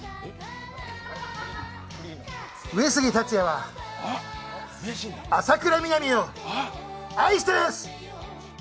上杉達也は浅倉南を愛してます！